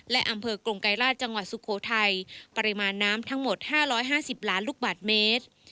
และอำเภอกรงไกรราชจังหวัดสุโขทัยปริมาณน้ำทั้งหมด๕๕๐ล้านลูกบาทเมตร